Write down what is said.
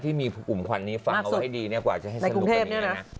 ที่มีอุ่มควันนี้ฝังเอาไว้ดีกว่าจะให้สนุกอย่างนี้นะ